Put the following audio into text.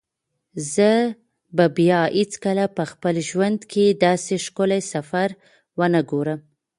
زه به بیا هیڅکله په خپل ژوند کې داسې ښکلی سفر ونه ګورم.